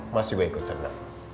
mas juga ikut seneng